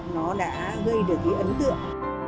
nó đã gây được cái ấn tượng